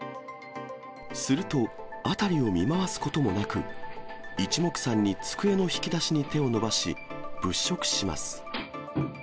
すると、辺りを見回すこともなく、一目散に机の引き出しに手を伸ばし、物色します。